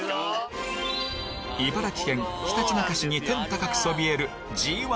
茨城県ひたちなか市に天高くそびえるそう！